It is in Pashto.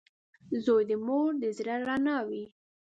• زوی د مور د زړۀ رڼا وي.